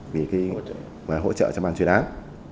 vì cái hỗ trợ cho ban chuyên án